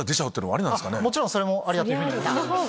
もちろんそれもありだというふうに思います。